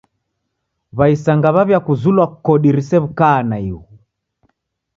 W'aisanga w'aw'iakuzulwa kodi risew'ukaa naighu!